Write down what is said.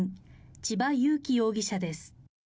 千葉裕生容疑者です。